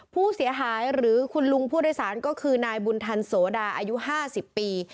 ผู้เสียหายหรือคุณลุงผู้โดยสารก็คือนายบุญทันโสดาอายุ๕๐ปี